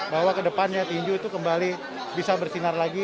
bahwa ke depannya tinju itu kembali bisa bersinar lagi